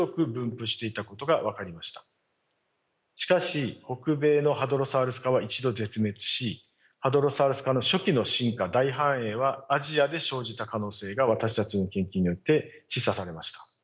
しかし北米のハドロサウルス科は一度絶滅しハドロサウルス科の初期の進化大繁栄はアジアで生じた可能性が私たちの研究によって示唆されました。